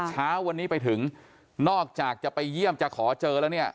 เช้าวันนี้ไปถึงนอกจากจะไปเยี่ยมจะขอเจอแล้วเนี่ย